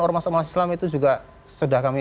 ormas ormas islam itu juga sudah kami